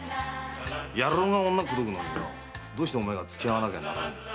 野郎が女を口説くのにどうしてお前がつき合わなきゃならねえ？